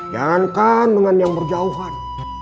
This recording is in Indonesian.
jangankan dengan yang berjauhan